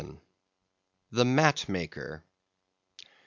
The Mat Maker.